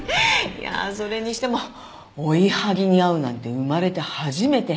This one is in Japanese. いやそれにしても追い剥ぎに遭うなんて生まれて初めて。